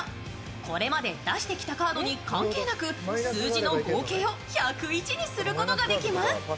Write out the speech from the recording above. これまで出してきたカードに関係なく数字の合計を１０１にすることができます。